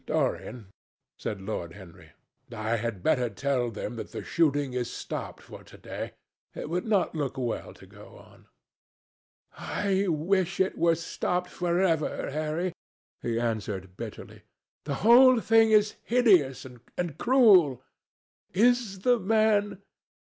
"Dorian," said Lord Henry, "I had better tell them that the shooting is stopped for to day. It would not look well to go on." "I wish it were stopped for ever, Harry," he answered bitterly. "The whole thing is hideous and cruel. Is the man